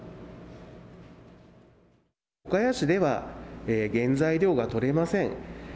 岡谷市では原材料が取れません。